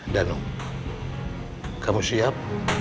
danum kamu siap